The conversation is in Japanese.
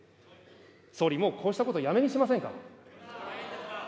総理、もうこうしたこと、やめにしませんか。